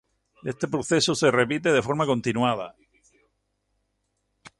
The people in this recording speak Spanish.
Este proceso se repite de forma continuada.